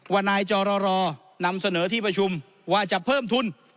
ว่านายจรรนำเสนอที่ประชุมว่าจะเพิ่มทุน